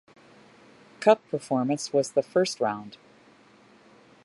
Cup performance was the first round.